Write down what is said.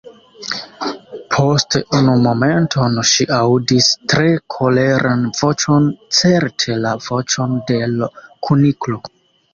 Post unu momenton ŝi aŭdis tre koleran voĉon, certe la voĉon de l' Kuniklo.